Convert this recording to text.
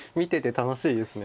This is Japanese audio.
楽しいです。